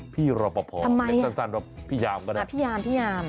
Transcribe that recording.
พี่รปภในสั้นแบบพี่ยามก็ได้นะครับพี่ยาม